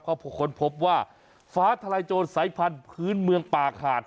เขาค้นพบว่าฟ้าทลายโจรสายพันธุ์พื้นเมืองป่าขาด